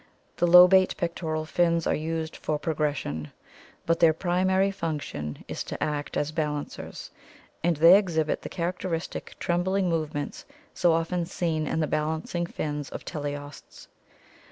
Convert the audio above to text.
The lobate pectoral fins are used for progression, but their primary function is to act as balancers, and they exhibit the EMERGENCE 07 TERRESTRIAL VERTEBRATES 481 characteristic trembling movements so often seen in the balancing fins of teleosts.